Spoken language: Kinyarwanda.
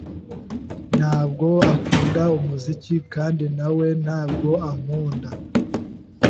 "Ntabwo akunda umuziki." "Kandi na we ntabwo ankunda."